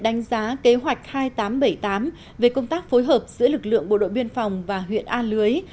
đánh giá kế hoạch hai nghìn tám trăm bảy mươi tám về công tác phối hợp giữa lực lượng bộ đội biên phòng và huyện a lưới